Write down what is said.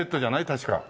確か。